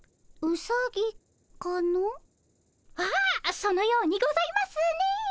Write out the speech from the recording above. ああそのようにございますね。